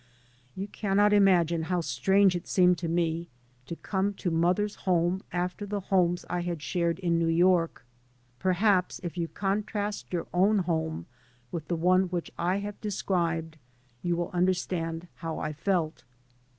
You cannot imagine how strange It seemed to me to come to mother's home after the homes I had shared in New York. Perhaps if you contrast your own home with the one which I have de scribed you will understand how I felt.